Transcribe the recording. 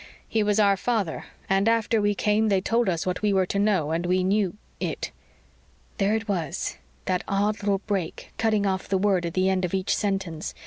He was our father, and after we came they told us what we were to know and we knew it." There it was that odd little break, cutting off the word at the end of each sentence.